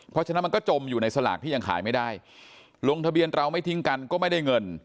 เพราะฉะนั้นมันก็จมอยู่ในสลากที่ยังขายไม่ได้ลงทะเบียนเราไม่ทิ้งกันก็ไม่ได้เงิน